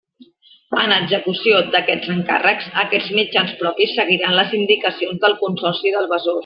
En execució d'aquests encàrrecs, aquests mitjans propis seguiran les indicacions del Consorci del Besòs.